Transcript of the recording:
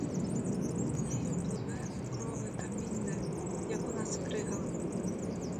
Нею пливе у крови камінне, як у нас крига.